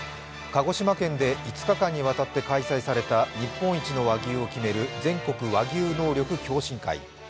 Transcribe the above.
鹿児島県で５日間にわたって開催された日本一の和牛を決める全国和牛能力共進会。